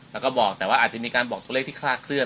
แล้วก็บอกแต่ว่าอาจจะมีการบอกตัวเลขที่คลาดเคลื